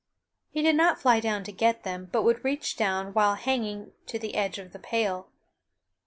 He did not fly down to get them, but would reach down while hanging to the edge of the pail.